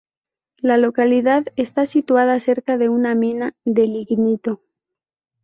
La localidad está situada cerca de una mina de lignito.